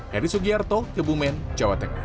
heri sugiarto kebumen jawa tengah